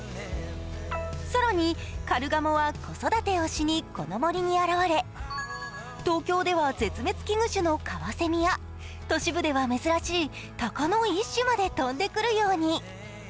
更に、カルガモは子育てをしにこの森に現れ東京では絶滅危惧種のカワセミや都市部では珍しい鷹の一種まで飛んでくるように。